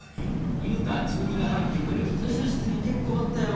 ああ図書室に結構あったよ